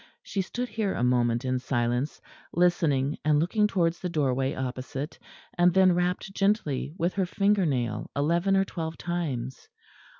She stood here a moment in silence, listening and looking towards the doorway opposite, and then rapped gently with her finger nail eleven or twelve times.